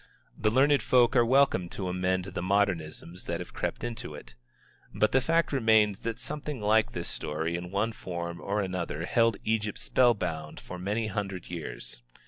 The learned folk are welcome to amend the modernisms that have crept into it. But the fact remains that something like this story in one form or another held Egypt spell bound for many hundred years.